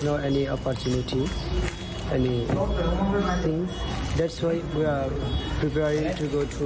และจริงจริงจริง